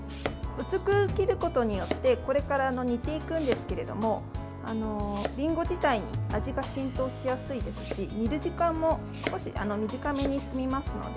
薄く切ることによってこれから煮ていくんですがりんご自体に味が浸透しやすいですし煮る時間も少し短めで済みますので。